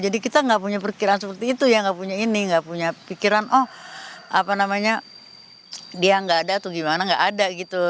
jadi kita gak punya perkiraan seperti itu ya gak punya ini gak punya pikiran oh apa namanya dia gak ada atau gimana gak ada gitu